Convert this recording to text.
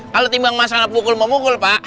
kalau timbang masalah pukul mau mukul pak